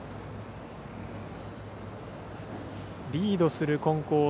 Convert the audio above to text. リードする金光